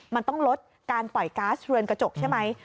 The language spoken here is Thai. มันต้องลดการปล่อยก๊าซเรือนกระจกใช่ไหม